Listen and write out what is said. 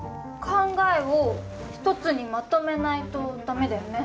考えを１つにまとめないと駄目だよね。